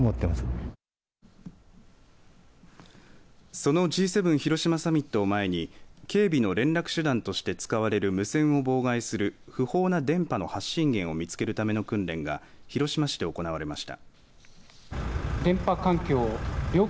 そのＧ７広島サミットを前に警備の連絡手段として使われる無線を妨害する不法な電波の発信源を見つけるための訓練が広島市で行われました。